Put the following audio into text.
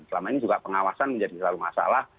selama ini juga pengawasan menjadi selalu masalah